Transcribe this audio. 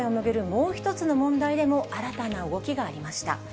もう一つの問題でも、新たな動きがありました。